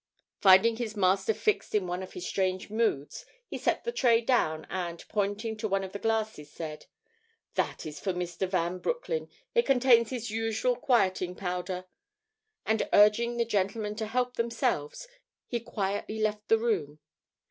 Finding his master fixed in one of his strange moods, he set the tray down and, pointing to one of the glasses, said: "That is for Mr. Van Broecklyn. It contains his usual quieting powder." And urging the gentlemen to help themselves, he quietly left the room.